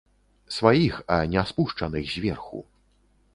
Сваіх, а не спушчаных зверху!